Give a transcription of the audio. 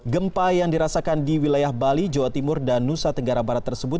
gempa yang dirasakan di wilayah bali jawa timur dan nusa tenggara barat tersebut